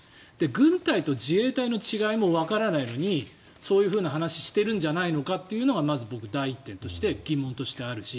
軍隊と自衛隊の違いもわからないのにそういう話をしてるんじゃないのかというのがまず僕、第１点として疑問としてあるし。